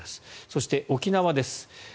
そして、沖縄です。